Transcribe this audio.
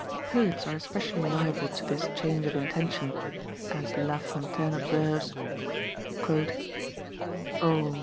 Poets are especially liable to this change of intention, as La Fontaine observes: "O!